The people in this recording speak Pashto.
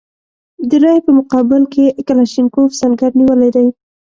د رایې په مقابل کې کلاشینکوف سنګر نیولی دی.